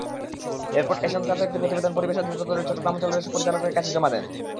এরপর এ-সংক্রান্ত একটি প্রতিবেদন পরিবেশ অধিদপ্তরের চট্টগ্রাম অঞ্চলের পরিচালকের কাছে জমা দেন।